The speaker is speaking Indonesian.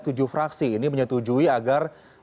tujuh fraksi ini menyetujui agar